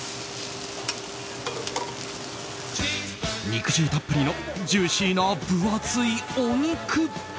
肉汁たっぷりのジューシーな分厚いお肉。